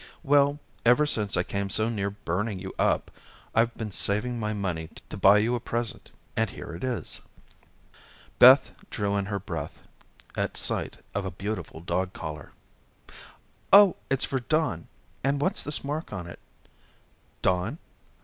"Well, ever since I came so near burning you up, I've been saving my money to buy you a present, and here it is." Beth drew in her breath at sight of a beautiful dog collar. "Oh, it's for Don, and what's this mark on it? 'Don.